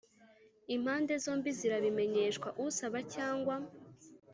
impande zombi zirabimenyeshwa Usaba cyangwa